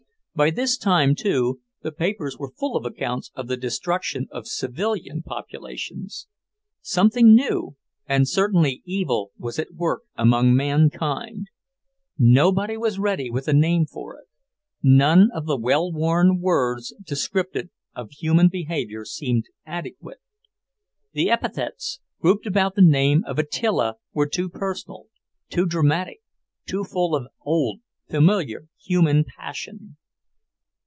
By this time, too, the papers were full of accounts of the destruction of civilian populations. Something new, and certainly evil, was at work among mankind. Nobody was ready with a name for it. None of the well worn words descriptive of human behaviour seemed adequate. The epithets grouped about the name of "Attila" were too personal, too dramatic, too full of old, familiar human passion.